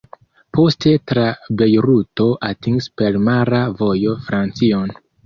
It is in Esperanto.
Poste tra Bejruto atingis per mara vojo Francion.